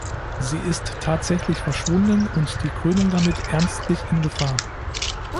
Sie ist tatsächlich verschwunden und die Krönung damit ernstlich in Gefahr.